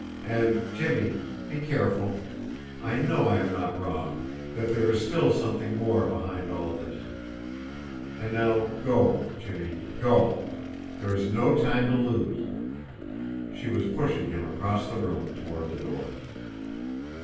And, Jimmie, be careful I know I am not wrong, that there is still something more behind all this. And now go, Jimmie, go! There is no time to lose!" She was pushing him across the room toward the door.